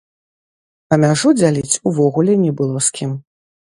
А мяжу дзяліць увогуле не было з кім.